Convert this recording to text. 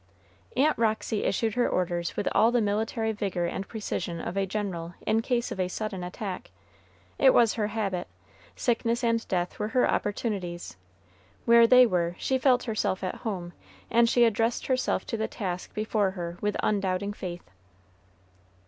Aunt Roxy issued her orders with all the military vigor and precision of a general in case of a sudden attack. It was her habit. Sickness and death were her opportunities; where they were, she felt herself at home, and she addressed herself to the task before her with undoubting faith.